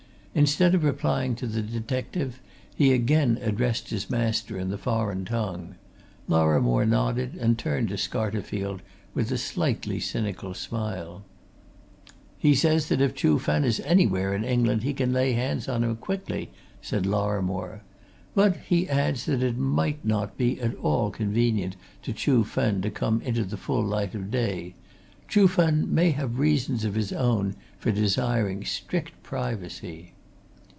Instead of replying to the detective, he again addressed his master in the foreign tongue. Lorrimore nodded and turned to Scarterfield with a slightly cynical smile. "He says that if Chuh Fen is anywhere in England he can lay hands on him, quickly," said Lorrimore. "But he adds that it might not be at all convenient to Chuh Fen to come into the full light of day: Chuh Fen may have reasons of his own for desiring strict privacy."